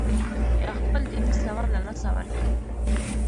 یا خپل دیني سواد له لاسه ورکړي.